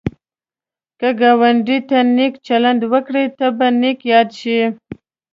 که ګاونډي ته نېک چلند وکړې، ته به نېک یاد شي